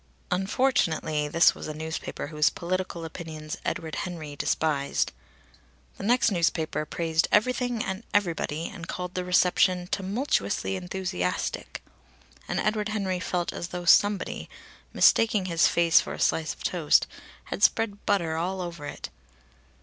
Unfortunately this was a newspaper whose political opinions Edward Henry despised. The next newspaper praised everything and everybody, and called the reception tumultuously enthusiastic. And Edward Henry felt as though somebody, mistaking his face for a slice of toast, had spread butter all over it.